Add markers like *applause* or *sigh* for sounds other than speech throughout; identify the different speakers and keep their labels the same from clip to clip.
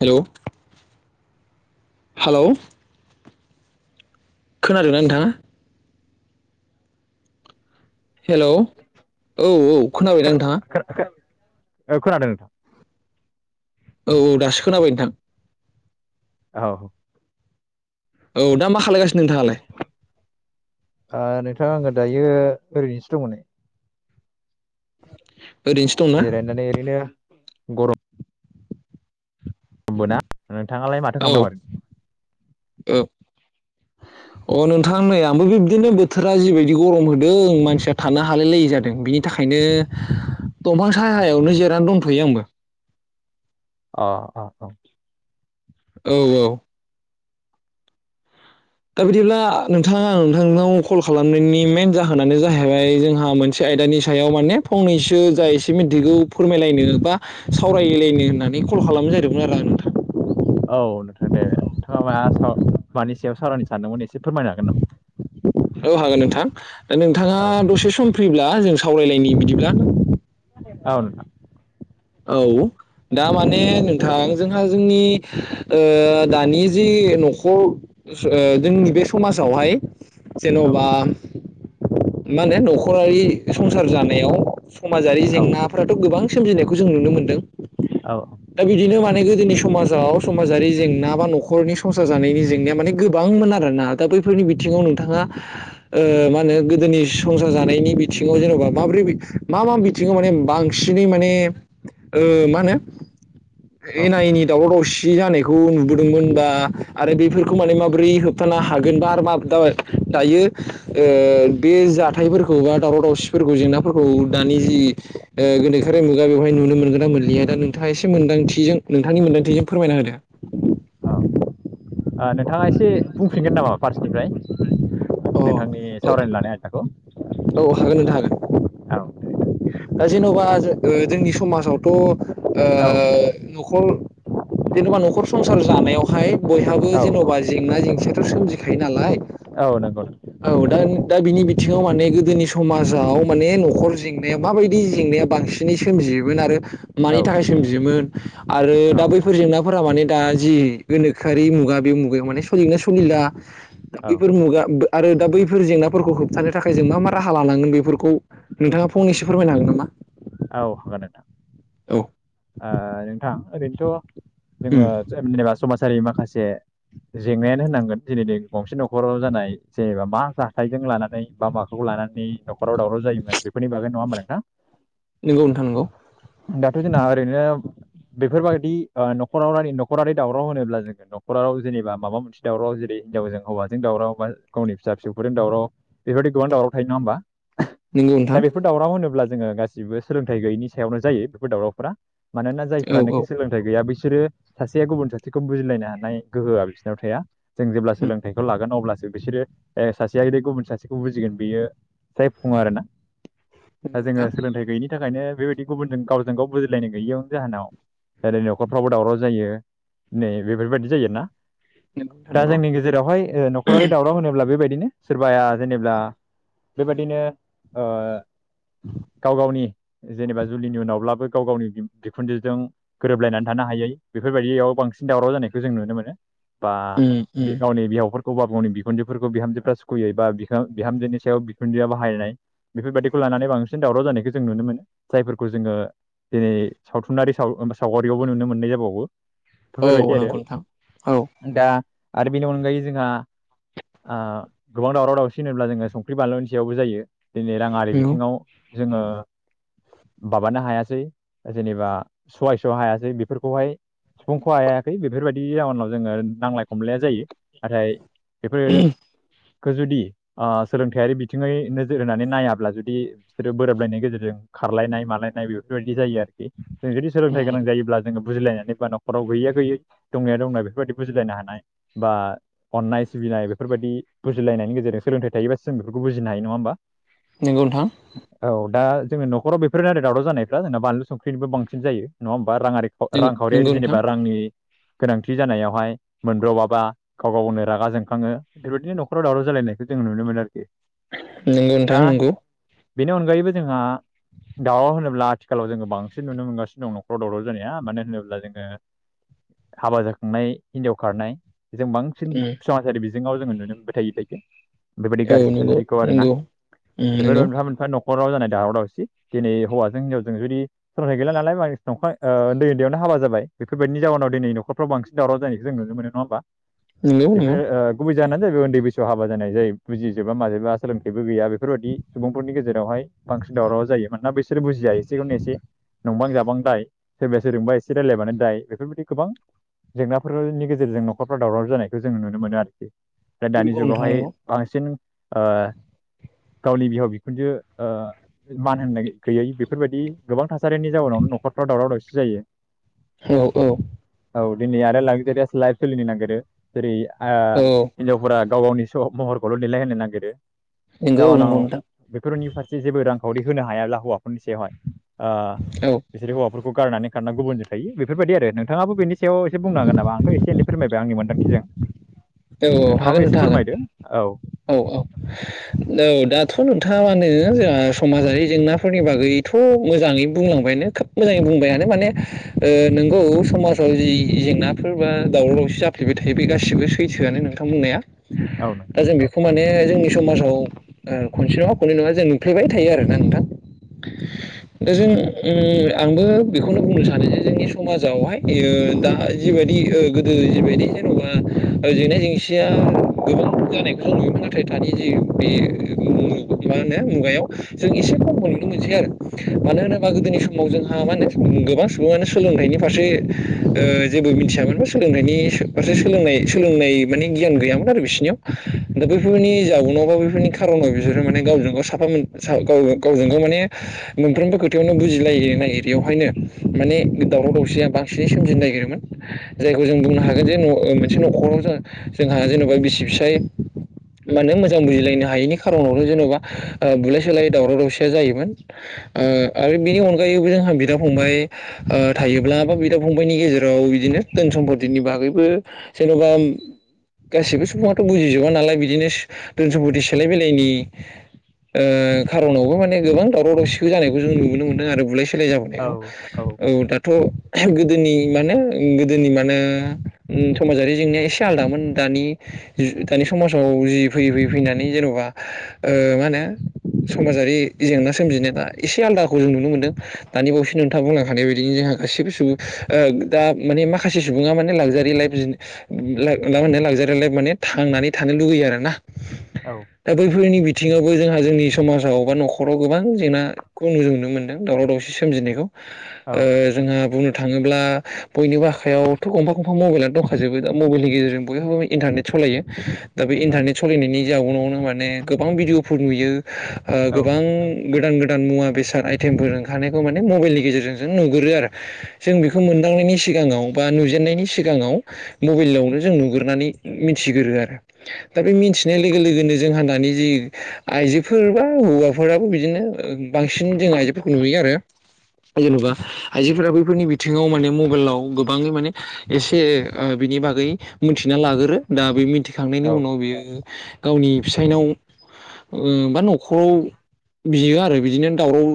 Speaker 1: Hello hello खोनादोंना नोंथाङा hello औ औ खोनाबायना नोंथाङा
Speaker 2: खोनादों नोंथां
Speaker 1: औ दासो खोनाबाय नोंथां
Speaker 2: औ
Speaker 1: औ दा मा खालायगासिनो नोंथाङालाय
Speaker 2: नोंथां आंङो दायो ओरैनोसो दंमोन नै
Speaker 1: ओरैनोसो दंना
Speaker 2: जिरायनानै ओरैनो गरम बोना नोंथाङालाय माथो
Speaker 1: औ
Speaker 2: खालामदों मोन
Speaker 1: औ *unintelligible* अ नोंथां नै आंबो बे बिब्दिनो बोथोरा जिबायदि गरम होदों मानसिया थानो हालाय लायै जादों बिनि थाखाय ओंखायनो दंफां साहायावनो जिरनानै दंथ'यो आंबो
Speaker 2: अ अ अ
Speaker 1: औ औ दा बिदिब्ला नोंथाङा आं नोंथांनाव कल खालामनायनि मेन जाहोनानो जाहैबाय जोंहा मोनसे आयदानि सायाव माने फंनैसो जा एसे मिथिगौ फोरमायलायनो बा सावरायलायनो होननानै कल खालामनो जादोंमोन आरो आं नोंथां
Speaker 2: अ औ दे नोंथाङा मा मानि सायाव सावरायनो सानदोंमोन एसे फोरमायनो हागोन नामा
Speaker 1: औ हागोन नोंथां दा नोंथाङा
Speaker 2: औ
Speaker 1: दसे सम फ्रिब्ला जों सावरायलायनायनि बिदिब्ला
Speaker 2: औ नोंथां
Speaker 1: औ दा माने नोंथां जोंहा जोंनि ओ दानि जि न'खर ओ जोंनि बे समाजावहाय
Speaker 2: औ
Speaker 1: जेन'बा
Speaker 2: औ
Speaker 1: मा होनो न'खरारि संसार जानायाव समाजारि
Speaker 2: औ
Speaker 1: जेंनाफोराथ' गोबां सोमजिनायखौ जों नुनो मोनदों दा बिदिनो माने ने गोदोनि समाजाव समाजारि जेंना बा न'खरनि संसार जानायनि जेंनाया माने गोबांमोन आरोना दा बैफोरनि बिथिंङाव नोंथाङा ओ मा होनो गोदोनि संसार जानायनि बिथिंङाव जेन'बा माब्रै मा मा बिथिंङाव माने बांसिनै माने ओ मा होनो
Speaker 2: औ
Speaker 1: एना एनि दावराव दावसि जि जानायखौ नुबोदोंमोनबा आरो बेफोरखौ माने माबोरै होबथानो हागोनबा आरो मा *unintelligible* दायो ओ बे जाथायफोरखौ बा दावराव दावसिफोरखौ जेंनाफोरखौ दानि जि ओ गोनोखोआरि मुगा बे नुनो मोनगोना मोन्या दा नोंथाङा एसे मोनदांथिजोंनि मोनदांथिजों फोरमायना होदो
Speaker 2: औ नोंथांङा एसे बुंफिनगोन नामा फार्सनिफ्राय नोंथांनि
Speaker 1: औ
Speaker 2: सावरायनो लानाय आयदाखौ
Speaker 1: औ हागोन नोंथां
Speaker 2: औ
Speaker 1: हागोन दा जेन'बा जोंनि समाजावथ' ओ
Speaker 2: औ
Speaker 1: न'खर जेनबा न'खर संसार जानायावहाय बयहाबो
Speaker 2: औ औ
Speaker 1: जेन'बा जेंना जेंसियाथ' सोमजिखायो नालाय
Speaker 2: औ नोंगौ नों
Speaker 1: औ दा दा बिनि बिथिंङाव माने गोदोनि समाजाव माने न'खर जेंनायाव माबायदि जें या बांसिनै सोमजियोमोन आरो
Speaker 2: औ
Speaker 1: मानि थाखाय सोमजियोमोन आरो
Speaker 2: औ
Speaker 1: दा
Speaker 2: औ
Speaker 1: बैफोर जेंनाफोरा माने दा जि गोनोखोआरि मुगा बे मुगायाव माने सलियोना सलिला
Speaker 2: औ
Speaker 1: बैफोर मुगा आरो दा बैफोर जेंनाफोरखौ होबथानो थाखाय जों मा मा राहा लानांगोन बेफोरखौ नोंथाङा फंनैसो फोरमायनो हागोन नामा
Speaker 2: औ हागोन नोंथां
Speaker 1: औ
Speaker 2: ओ नोंथां ओरैनोथ' जोंङो
Speaker 1: उम
Speaker 2: जेनेबा समाजारि माखासे जेंनायानो होननांगोन दिनै नै गंसे न'खराव जानाय जेनेबा मा जाथायखौ लानानै बा माखौ लानानै लानानै नखराव जायोमोन बेफोरनि बागै नङा होनबा नोंथां
Speaker 1: नोंगौ नोंथां नोंगौ
Speaker 2: दाथ' जोंना *inaudible* बेफोरबायदि ओ न'खराव न'खरारि दावराव होनोब्ला जोंङो नखराव जेनेबा माबा मोनसे दावराव जेरै हिनजावजों हौवाजों दावराव बा गावनि फिसा फिसौफोरजों दावराव बेफोरबायदि गोबां दावराव थायो नङा होमबा
Speaker 1: नंगौ नोंथां
Speaker 2: दा बेफोर दावराव होनोब्ला जोंङो गासिबो सोलोंथाइ गैयैनि सायावनो जायो बेफोर दावरावफोरा मानोना
Speaker 1: औ औ
Speaker 2: जायफोरानोखि सोलोंथाइ गैया बिसोर बिसोरो सासेया गुबुन सासेखौ बुजिलायनो हानाय गोहोआ बिसोरनाव थाया जों जेब्ला
Speaker 1: उम
Speaker 2: सोलोंथाइखौ लागोन अब्ला बिसोरो सासेया गुबुन सासेखौ बुजिगोन बियो जायफुङो आरो ना दा
Speaker 1: नंगौ नोंथां
Speaker 2: जोंङो सोलोंथाइ गैयिनि थाखायनो बेबायदि गुबुनजों गावजों गाव बुजि लायनाय गैयियावनो जाहोनाव ओरै न'खरफ्रावबो दावराव जायो नै बेफोरबायदि जायो आरोना
Speaker 1: नंगौ नोंथां
Speaker 2: दा
Speaker 1: नंगौ
Speaker 2: जोंनि गेजेरावहाय ओ न'खरारि दावराव होनोब्ला बेबायदिनो सोरबाया जेनेबा बेबायदिनो ओ गाव गावनि जेनेबा जुलिनि उनावब्लाबो गाव गावनि बिखुनजोजों गोरोबलायनानै थानो हायै बेफोरबायदियाव बांसिन दावराव जानायखौ जों नुनो मोनो बा
Speaker 1: उम उम
Speaker 2: गावनि बिहावफोर गावबा गावनि बिखुनजोफोरखौ बिहामजोफ्रा सुखुयै बा बि बिहामजोनि सायाव बिखुनजोआ बाहायनाय बेफोरबायदिखौ लानानै बांसिन दावराव जानायखौ जों नुनो मोनो जायफोरखौ जोंङो दिनै सावथुनारि साव सावगारियावबो नुनो मोननाय जाबावो।
Speaker 1: औ
Speaker 2: बेफोरबायदि आरो
Speaker 1: नंगौ नोंथां औ
Speaker 2: दा आरो बेनि अनगायै जोंहा ओ गोबां दावराव दावसि होनोब्ला जोंङो संख्रि बानलुनि सायावबो जायो। दिनै रांङारि
Speaker 1: नंगौ
Speaker 2: बिथिङाव जोंङो माबानो हायासै। जेनेबा सहायस' हायासै बेफोरखौहाय सिफुंखौ हायाखै बेफोरबायदि जाउनाव जोंङो नांलाय खमलाया जायो नाथाय बेफोर। खो जुदि सोलोंथाइयारि बिथिङै नोजोर होनानै नायाब्ला जुदि बिसोरो बोरोबलायनायनि गेजेरजों खारलायनाय मालायनाय बेफोरबायदि जायो आरोखि जों जुदि सोलोंथाइ
Speaker 1: उम
Speaker 2: गोनां जायोब्ला जोङो बुजिलायनाय। जेबा न'खराव गैयै गैयै दंनाया दंनाय बेफोरबायदि बुजिलायनो हानाय बा अननाय सिबिनाय बेफोर फोरबादि बुजिलायनायनि गेजेरजों सोंथाइ थायोबासो जोंफोरखौ बुजिनो हायो नङा ओमबा?
Speaker 1: नोंगौ नोंथां।
Speaker 2: दा जोंनि न'खर बेफोरनो आरो दावराव जानायफ्रा जोंना बानलु संख्रिनिबो बांसि जायो नङा होम बा राङारि रांखावरियारि
Speaker 1: नंगौ नोंथां
Speaker 2: जेनेबा रांनि गोनांथि जानायावहाय मोनब्र'बाबा गाव गावनो रागा जोंखाङो बेबायदिनो न'खराव दावराव जालायनायखौ जों जों नुनो मोन आरोखि ।
Speaker 1: नोंगौ नोंथां नोंगौ।
Speaker 2: बेनि अनगायैबो जोंहा दाउ होनोब्ला खालाव जोङो बांसिन नुनो मोनगानो दं न'खराव दावराव जानाया मानो होनोब्ला जोङो। हाबा जाखांनाय हिन्जाव खारनाय। जों बांसिन समाजारि बिजोङाव जोङो नुनो मोनबाय थायो बिबायदि। बेबायदि
Speaker 1: औ
Speaker 2: गाज्रि
Speaker 1: नंगौ
Speaker 2: थासारिखौ आरोना
Speaker 1: नंगौ
Speaker 2: बेफोर
Speaker 1: नंगौ
Speaker 2: मोनफा मोनफा न'ख खहराव जानाय दावराव दावसि दिनै हौवाजों हिनजाजजों जुदि सरसाइ गैला नालाय बा दंखाय ओ उन्द उन्दैयावनो हाबा जाबाय बेफोरबायदि जाहोनाव दिनै न'खराव बसिनाव जानायखौ जों नुनो मोनो नङा ओमबा।
Speaker 1: नंगौ
Speaker 2: बेफोर ओ गुबुबै जाना जै उन्दै बैसोआव हाबा जानाय जायो बुजिजोबा माजोबा सोलोंथाइबो गैया बेफोरबायदि सुबुंफोरनि गेजेरावहाय बां ओंख्रि दावराव जायो मानोना बिसोर बुजिया एसेखौनो एसे नंबां जाबां दाय। सोरबाया सोरजोंबा एसे रायजलायबानो दाय बेफोरबायदि गोबां। जेंनाफोरनि गेजेरजों न'खरफाव दावराव जानायखौ जोंङो नुनो मोनो आरोखि। दा दानि
Speaker 1: नंगौ नोंथां
Speaker 2: जुगावहाय
Speaker 1: नंगौ
Speaker 2: बांसिन ओ गावनि बिहाव बिखुनजो ओ मान होननाय गैयै बे। बेफोरबायदि गोबां थासारिनि जाउनावनो न'खरफ्राव दावराव दावसि जायो।
Speaker 1: औ औ।
Speaker 2: औ दिनै आरो लागजारेस लाइभ सोलिनो नागिरो जेरै आ
Speaker 1: औ
Speaker 2: ओ हिनजावफोरा। गाव गावनि स महरखौल' दलायहोनो नागिरो
Speaker 1: नंगौ
Speaker 2: जाउनाव
Speaker 1: नंगौ नोंथां
Speaker 2: बेफोरनि फारसे जेबो रां खावरि होनो हायाब्ला हौवाफोरनि सायावहाय ओ
Speaker 1: औ
Speaker 2: बिसोर हौवाफोरखौ गारनानै। खारना गुबुनजों थायो बेफोरबायदि आरो नोंथाङाबो बेनि सायाव एसे बुंनांगोन नामा आंथ' एसे एनै फोरमायबाय आंनि मोनदांथिजों।
Speaker 1: औ हागोन नोंथां हागोन।
Speaker 2: औ
Speaker 1: औ औ औ दाथ' नोंथा मानो जोंहा। ओ समाजारि जेंनाफोरनि बागैथ' मोजाङै बुंलांबायानो खोब मोजाङै बुंबायानो माने ओ ओ नोंगौ समाजाव जि जेंनाफोर बा दावराव दावसि जाफ्लेबाय थायो बे गासिबो। थैसोआनो नोंथां बुंनाया
Speaker 2: औ नोंथां
Speaker 1: दा जों बेखौ माने जोंनि समाजाव ओ खनसे नङा खननै नङा जों नुफ्लेबाय थायो आरोना नोंथां। दा जों ओम आंबो बेखौनो बुंनो सानो जे जोंनि समाजावहाय ओ ओ दा जिबायदि ओ गोदो जिबायदि जेन'बा जेंना जेंसिया गोबां जानाय खौव नुोमोन नाथाय दानि जे बे मुलुग। मा होनो मुगायाव जों एसे खम नुनोमोनसै आरो मानो होनोबा गोदोनि समाव जोंहा मा होनो गोबां सुबुङानो सोलोंथाइनि फारसे ओ जेबो मिथियामोन बा सोलोंथाइनि फारसे सोलोंनाय सोलोंनाय माने गियान गैयामोन आरो बिसोरनियाव दा बैफोरनि जाउनाव बा बैफोरनि खारनाव बिसोरो माने गावजों गाव साफा मोन सा गाव गावजों गाव माने मोनफ्रोमबो खोथायावनो बुजिलायनाय एरियावहायनो। माने दावराव दावसिया बांसिनै सोमजिनो नागिरोमोन जायखौ जों बुंनो हागोन जे न ओ मोन बे न'खराव जोंहा जेनेबा बिसि फिसाय माने मोजां बुजिलायनो हायैनि खार'नावनो जेन'बा ओ बुलाय सोलाय दावराव-दावसिया जायोमोन। ओ आरो बिनि अनगायैबो जोंहा बिदा-फंबाय ओ थायोब्ला बा बिदा-फंबायनि गेजेराव बिदिनो धोन सम्पतिनि बागैबो जेन'बा गासिबो सुबुङाथ' बुजिजोबा नालाय बिदिनो धोन सम्पति सोलाय बेलायनि ओ खारनावबो माने गोबां दावराव दावसिखौ जानायखौ जों नुनो मोनदों आरो बुलाय सुलाय
Speaker 2: औ
Speaker 1: जाबोनायखौ औ दाथ' गोदोनि माने गोदोनि माने समाजारि जेंनाया एसे आलदामोन दानि दानि समाजाव जि फैयै फैयै फैनानै जेन'बा ओ मा होनो समाजारि जेंना सोमजिनाय दा एसे आलादाखौ जों नुनो मोनदों दानि असे नोंथाङा बुंलां हानाय बायदिनो जोंहा गासिबो सुबुं दा माने माखासे सुबुङा माने लागजारि लाइफ *unintelligible* लागजारि लाइफ माने थांनानै थानो लुुबैयो आरो ना
Speaker 2: औ
Speaker 1: दा बैफोरनि बिथिं बिथिङावबो जोंहा जोंनि समाजाव बा न'खराव गोबां जेंनाखौ नुनो मोनदों दावराव दावसि सोमजिनायखौ
Speaker 2: औ
Speaker 1: ओ जोंहा बुंनो थाङोब्ला बयनिबो आखायावथ' गंफा गंफा मबाइल दं खाजोबो दा मबाइलनि गेजेरजों बयहाबो इन्टारनेट सालायो दा बे इन्टारनेट सालायनायनि जाउनावनो माने गोबां भिडिअफोर नुयो ओ गोबां गोदान गोदान मुवा बेसाद आइटेमफोर ओंखारनायखौ माने मबाइलनि गेजेरजों जों नुगोरो आरो जों बेखौ मोन खांनायनि सिगाङाव बा नुजेननायनि सिगाङाव मबाइलावनो जों नुगोरानै मिथिगोरो आरो दा बे मिथिनाय लोगो लोगोनो जोंहा दानि जि आइजोफोर बा हौवाफोराबो बिदिनो बांसिन जों आइजोफोरखौ नुयो आरो जेन'बा आइजोफोरा बैफोरनि बिथिङाव माने मबाइलाव गोबाङै माने एसे ओ बिनि बागै मिथिना लाग्रो दा बे मिथिखांनायनि उनाव बियो गावनि फिसायनाव ओ बा न'खराव बियो आरो बिदिनो दावराव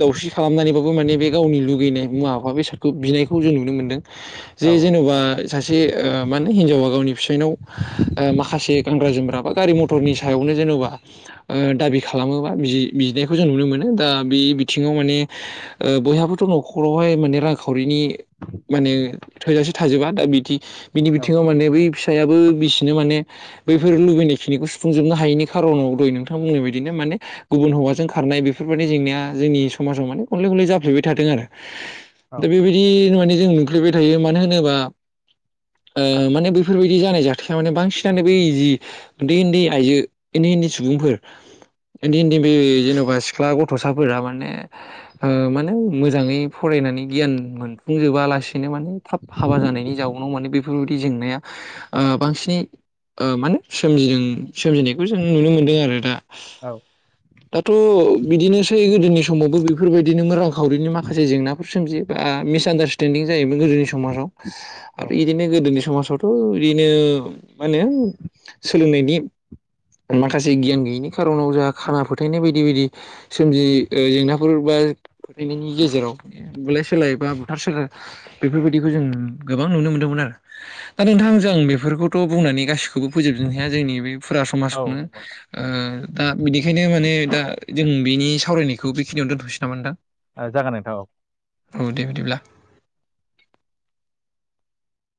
Speaker 1: दावस्रि खालामनानैबाबो माने बे गावनि लुगैनाय मुवाफा बेसादखौ बिनायखौ जों नुनो मोन्दों। जे
Speaker 2: औ औ
Speaker 1: जेन'बा सासे ओ माने हिनजावा गावनि फिसायनाव माखासे गानग्रा जोमग्रा बा गारि मथरनि सायावनो जेनेबा दाबि ओ खालामोबा बिनायखौ जों नुनो मोनो दा बे बिथिङाव माने ओ बयहाबोथ' न'खरावहाय माने रांखावरिनि माने थोजासे थाजोबा दा बि बिनि
Speaker 2: औ
Speaker 1: बिथिङाव माने बै फि सायाबो बिसिनो माने बैफोर लुबैनाय खिनिखौ सुफुंजोबनो हायैनि खारनाव दय नोंथां बुंनाय बायदिनो माने माने गुबुन हौवाजों खारनाय बेफोरबायदि जेंनाया जोंनि समाजाव माने खनले खनले जाफ्लेबाय थादों आरो
Speaker 2: औ
Speaker 1: दा बेबायदि माने जों नुफ्लेबाय थायो मानो होनोबा ओ माने बेैफोरबायदि जानाय जाथाया माने बांसिनानो बै जि उन्दै उन्दै आइजो उन्दै उन्दै सुबुं फोर उन्दै उन्दै बे जेन'बा सिख्ला गथ'साफोरा माने ओ माने मोजाङै फराय नानै गियान मोनफुंजोबा लासिनो माने थाब हाबा जानायनि जाउ नाव माने बेफोरबायदि जेंनाया ओ बांसिनै ओ माने सोमजिदों सोमजिनायखौ जों नुनो मोन्दों आरो दा
Speaker 2: औ
Speaker 1: दाथ' बिदिनो सै गोदोनि समावबो बेफोरबायदिनो रांखावरिनि माखासे जेंनाफोर सोमजियो बा मिसआडार्स्टेदिं जायो गोदोनि‌ समाजयाव
Speaker 2: औ
Speaker 1: आरो यदिनो गोदोनि समाजावथ' बिदिनो मा होनो सोलोंनायनि माखासे गियान गैयिनि खार'नाव जाहा खाना फोथायनाय बायदि बायदि सोमजियो जेंनाफोर बा फोथायनायनि गेजेराव बुलाय सोलाय बा बुथार सोलाय बेफोरबायदिखौ जों गोबां नुनो मोन्दोंमोन आरो दा नोंथांजों बेफोरखौथ' बुंनानै गासिखौबो फोजोबजोबनो हाया जोंनि बे फुरा
Speaker 2: औ
Speaker 1: समाजखौनो
Speaker 2: नंगौ नोंथां।
Speaker 1: दा बिनिखायनो माने दा जों बेनि सावरायनायखौ बेखिनियाव दोनथ'सै ना नोंथां।
Speaker 2: ओ, जागोन नोंथां औ
Speaker 1: औ दे बिदिब्ला